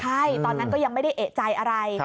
ใช่ตอนนั้นก็ยังไม่ได้เอกใจอะไร